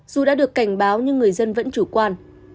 dù đã được cảnh báo nhưng người dân vẫn chủ quan